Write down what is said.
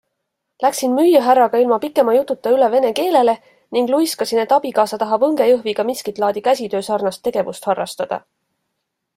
Läksin müüjahärraga ilma pikema jututa üle vene keelele ning luiskasin, et abikaasa tahab õngejõhviga miskit laadi käsitöösarnast tegevust harrastada.